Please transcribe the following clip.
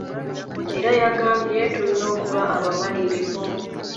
Era yagambye tulina okuba abamalirivu.